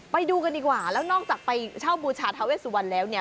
ไปดูกันดีกว่าแล้วนอกจากไปเช่าบูชาทาเวสุวรรณแล้วเนี่ย